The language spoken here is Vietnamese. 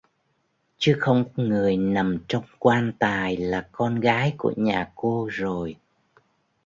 chứ không người nằm trong quan tài là con gái của nhà cô rồi